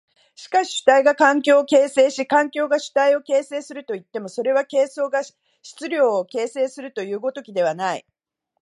しかし主体が環境を形成し環境が主体を形成するといっても、それは形相が質料を形成するという如きことではない。